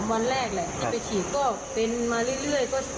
วันแรกแหละที่ไปฉีดก็เป็นมาเรื่อย